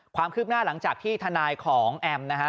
ความคืบหน้าหลังจากที่ทนายของแอมนะฮะ